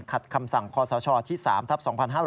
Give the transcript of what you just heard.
ขัดคำสั่งคศที่๓ทัพ๒๕๕๙